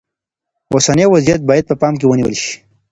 اوسنی وضعیت باید په پام کې ونیول شي.